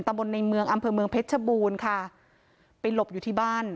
บนในเมืองอำเภอเมืองเพชรชบูรณ์ค่ะไปหลบอยู่ที่บ้าน